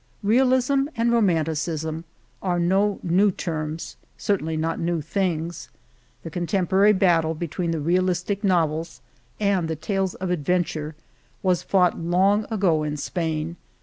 Realism and Romanticism are no new terms — certainly not new things. The con temporary battle between the realistic novels and the tales of adventure was fought long ago in old Spain.